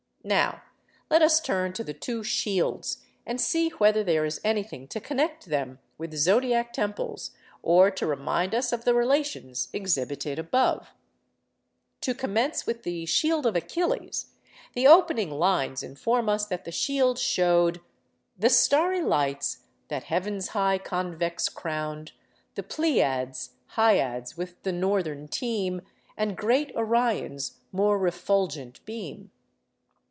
Now let us turn to the two 'shields,' and see whether there is anything to connect them with zodiac temples, or to remind us of the relations exhibited above. To commence with the 'Shield of Achilles,' the opening lines inform us that the shield showed— The starry lights that heav'n's high convex crown'd, The Pleiads, Hyads, with the northern team, And great Orion's more refulgent beam.